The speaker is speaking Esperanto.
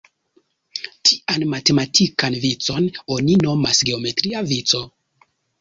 Tian matematikan vicon oni nomas geometria vico.